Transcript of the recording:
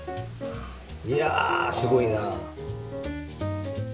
いやすごいな！